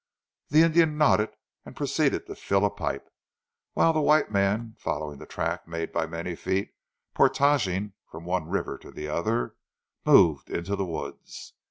The Indian nodded and proceeded to fill a pipe, whilst the white man, following the track made by many feet portaging from one river to the other, moved into the woods.